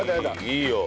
いいよ。